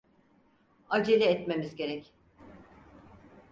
Acele etmemiz gerek.